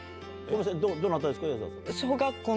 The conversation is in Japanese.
どなたですか？